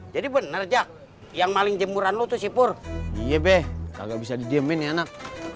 jadi bener jak yang maling jemuran lu tuh sipur iye beh kagak bisa didiemin ya anak